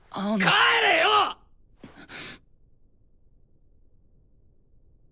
帰れよっ！